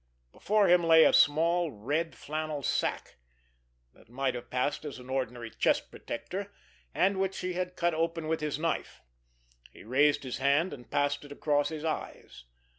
Before him lay a small red flannel sack, that might have passed for an ordinary chest protector, and which he had cut open with his knife. He raised his hand, and passed it across his eyes.